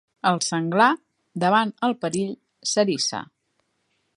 El senglar, davant el perill, s'eriça.